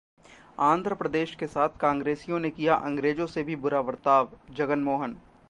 आंध्र प्रदेश के साथ कांग्रेसियों ने किया अंग्रेजों से भी बुरा बर्तावः जगनमोहन